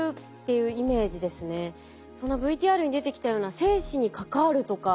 ＶＴＲに出てきたような生死に関わるとか